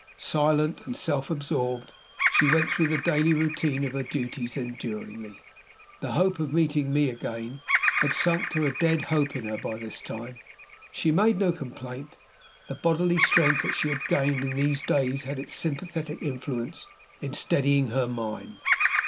Silent and self absorbed, she went through the daily routine of her duties enduringly. The hope of meeting me again had sunk to a dead hope in her by this time. She made no complaint. The bodily strength that she had gained in these later days had its sympathetic influence in steadying her mind.